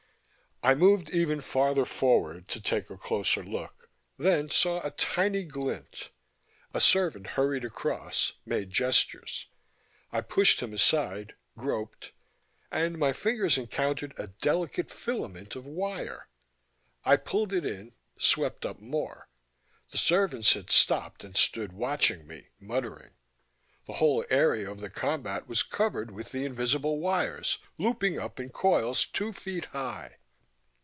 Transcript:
I moved even farther forward to take a closer look, then saw a tiny glint.... A servant hurried across, made gestures. I pushed him aside, groped ... and my fingers encountered a delicate filament of wire. I pulled it in, swept up more. The servants had stopped and stood watching me, muttering. The whole area of the combat was covered with the invisible wires, looping up in coils two feet high.